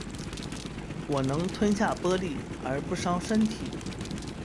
我能吞下玻璃而不伤身体